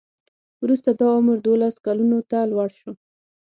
وروسته دا عمر دولسو کلونو ته لوړ شو.